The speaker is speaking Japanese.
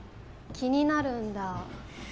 気になるんだ